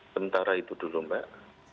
sementara itu dulu mbak